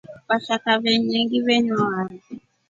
Vashaka venyengi venywa wari.